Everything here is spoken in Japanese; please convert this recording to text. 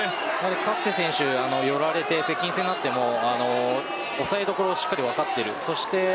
カッセ選手寄られて接近戦になっても押さえどころをしっかり分かっている。